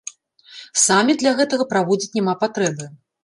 Саміт для гэтага праводзіць няма патрэбы!